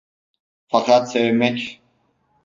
Fakat sevmek?